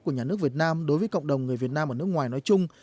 của nhà nước việt nam đối với cộng đồng người việt nam ở nước ngoài nói chung